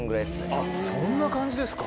あっそんな感じですか。